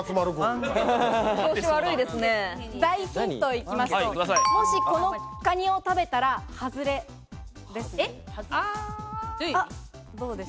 大ヒント行きますと、もしこのカニを食べたら外れです。